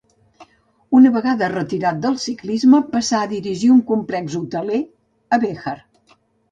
Una vegada retirat del ciclisme passà a dirigir un complex hoteler a Béjar.